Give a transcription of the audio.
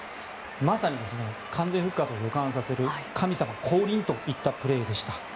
まさに完全復活を予感させる神様降臨といったプレーでした。